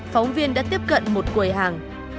phóng viên đã tiếp cận một quầy hàng